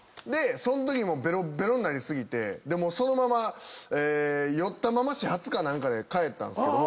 そんときもベロベロになり過ぎてそのまま酔ったまま始発か何かで帰ったんすけど。